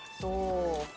kira dua dikaitkan saja